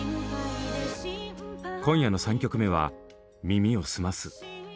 今夜の３曲目は「耳をすます」。